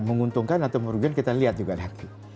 menguntungkan atau merugikan kita lihat juga nanti